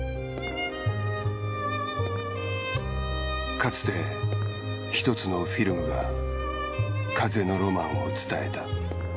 かつてひとつのフィルムが風のロマンを伝えた。